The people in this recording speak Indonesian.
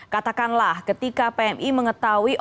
katakanlah ketika pmi mengetahui